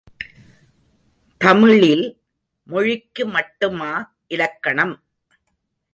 தமிழில் மொழிக்கு மட்டுமா இலக்கணம்!